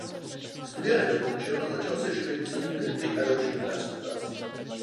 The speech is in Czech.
Studia nedokončil a začal se živit psaním kritik a další novinářskou prací.